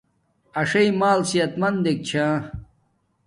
اݽی مال صحت مندیگ چھا